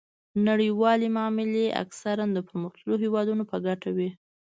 نړیوالې معاملې اکثراً د پرمختللو هیوادونو په ګټه وي